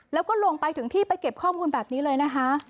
แล้วก็ลงไปถึงที่ไปเก็บข้อมูลแบบนี้เลยนะคะ